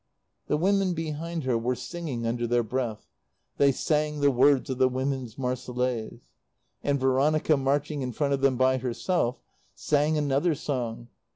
The women behind her were singing under their breath. They sang the words of the Women's Marseillaise. And Veronica, marching in front of them by herself, sang another song.